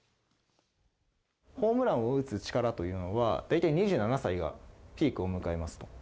ホームランを打つ力というのは、大体２７歳がピークを迎えます。